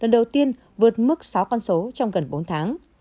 đầu tiên vượt mức sáu con số trong gần bốn tháng